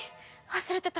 忘れてた！